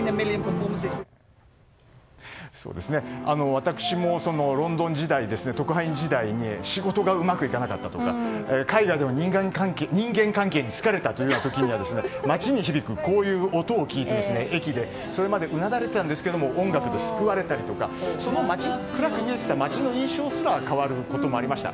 私もロンドン時代特派員時代に仕事がうまくいかなかったとか海外での人間関係に疲れた時は駅で街に響くこういう音を聴いてそれまでうなだれてたんですけど音楽に救われたり暗く見えていた街の印象すら変わることもありました。